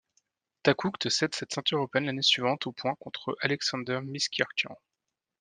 Takoucht cède cette ceinture européenne l'année suivante aux points contre Alexander Miskirtchian.